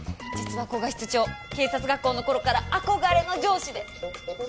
実は古賀室長警察学校の頃から憧れの上司で。